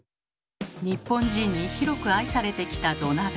日本人に広く愛されてきた土鍋。